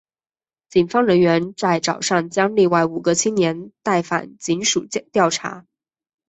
警方人员在早上将另外五个青年带返警署调查。